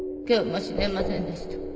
今日も死ねませんでした